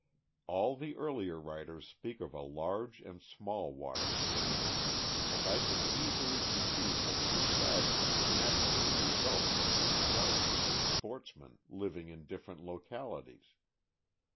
All the earlier writers speak of a large and a small Water Spaniel, and I can easily conceive that two sizes would naturally result from the requirements of sportsmen living in different localities.